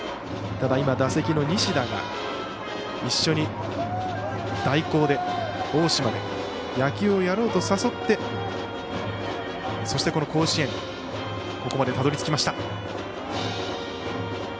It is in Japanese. ただ、打席の西田が一緒に大高で大島で野球をやろうと誘ってそして、この甲子園ここまでたどり着きました。